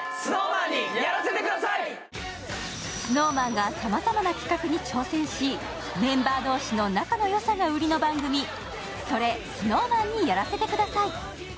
ＳｎｏｗＭａｎがさまざまな企画に挑戦し、メンバー同士の仲のよさが売りの番組、「それＳｎｏｗＭａｎにやらせて下さい」。